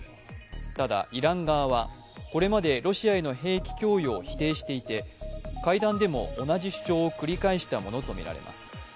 ただ、イラン側はこれまでロシアへの兵器供与を否定していて、会談でも同じ主張を繰り返したものとみられます。